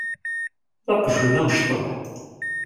D aqjun amecṭuḥ.